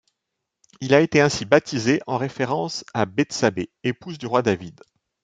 Il a été ainsi baptisé en référence à Bethsabée, épouse du Roi David.